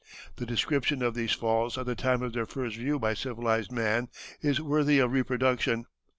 The description of these falls at the time of their first view by civilized man is worthy of reproduction.